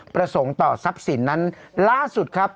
ประสงค์ต่อทรัพย์สินนั้นล่าสุดครับ